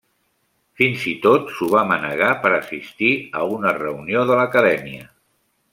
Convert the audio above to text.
Fins i tot s'ho va manegar per assistir a una reunió de l'Acadèmia.